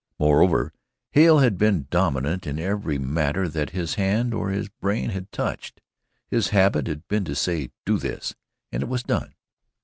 Moreover, Hale had been dominant in every matter that his hand or his brain had touched. His habit had been to say "do this" and it was done.